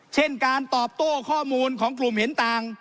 เช่นการตอบโต้ข้อมูลของกลุ่มเห็นต่าง